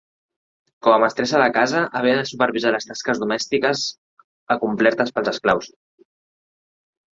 Com a mestressa de casa havia de supervisar les tasques domèstiques, acomplertes pels esclaus.